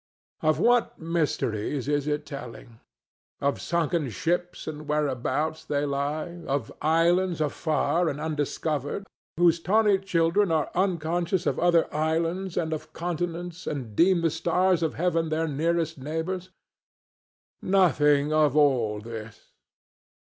Of what mysteries is it telling? Of sunken ships and whereabouts they lie? Of islands afar and undiscovered whose tawny children are unconscious of other islands and of continents, and deem the stars of heaven their nearest neighbors? Nothing of all this.